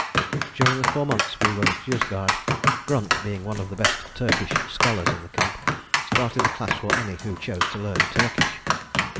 During the four months we were at Yozgad, Grunt, being one of the best Turkish scholars in the camp, started a class for any who chose to learn Turkish.